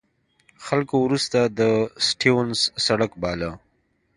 خلکو وروسته د سټیونز سړک باله.